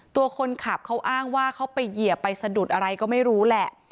ตัวคนขับเขาอ้างว่าเขาไปเหยียบไปสะดุดอะไรก็ไม่รู้แหละ